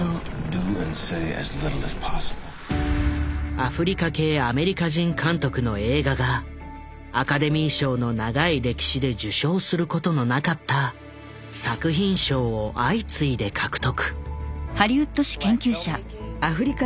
アフリカ系アメリカ人監督の映画がアカデミー賞の長い歴史で受賞することのなかった作品賞を相次いで獲得。